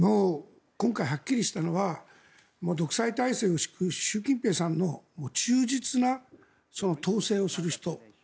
今回はっきりしたのは独裁体制を敷く習近平さんの忠実な統制をする人。